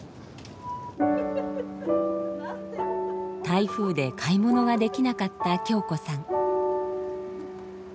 台風で買い物ができなかった京子さん。